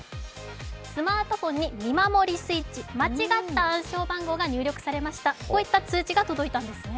スマートフォンにみまもりＳｗｉｔｃｈ、間違った暗証番号が入力されました、こういったメッセージが届いたんですね。